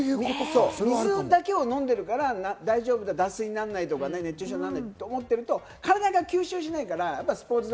水だけを飲んでるから大丈夫だ、脱水にならないとか、熱中症にならないと思ってると、体が吸収しないから。